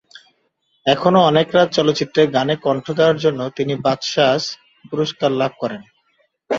এখনো অনেক রাত চলচ্চিত্রে গানে কণ্ঠ দেওয়ার জন্য তিনি বাচসাস পুরস্কার লাভ করেন।